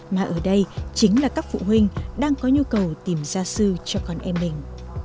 mà ở đây chính là các phụ huynh đang có nhu cầu tìm gia sư cho con em mình